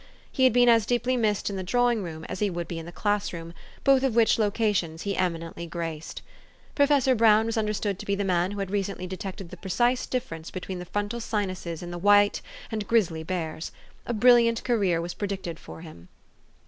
He had been as deeply missed in the drawing room as he would be in the class room, both of which locations he emi nently graced. Professor Brown was understood to be the man who had recently detected the precise difference be THE STORY OF AVIS. 361 tween the frontal sinuses in the white and grisly bears. A brilliant career was predicted for him.